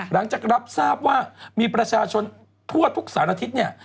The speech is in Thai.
หลังจากรับทราบว่ามีประชาชนทั่วทุกสารทิศเนี่ย